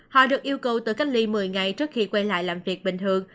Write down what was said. họ được yêu cầu tự cách ly một mươi ngày trước khi quay lại làm việc bình thường